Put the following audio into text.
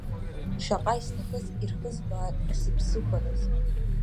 Шаҟа исҭахыз ирхызбаар исыԥсықәараз!